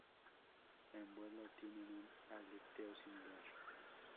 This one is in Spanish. En vuelo tienen un aleteo similar.